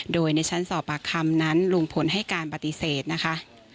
โดยในชั้นสอบปากคำนั้นลุงพลให้การปฏิเสธนะคะ